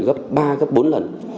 gấp ba gấp bốn lần